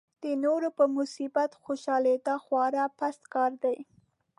د نورو په مصیبت خوشالېدا خورا پست کار دی.